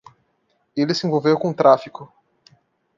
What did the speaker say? Ele se envolveu com o tráfico.